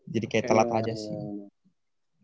jadi kayak telat aja sih